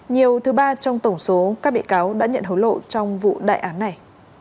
nhiều thứ ba trong tổng số các bị cáo đã nhận hối lộ trong vụ đại án này